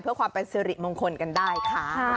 เพื่อความเป็นสิริมงคลกันได้ค่ะ